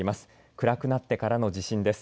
暗くなってからの地震です。